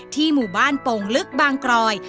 หมู่บ้านโป่งลึกบางกรอย